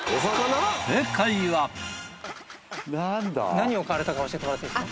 何を買われたか教えてもらっていいですか？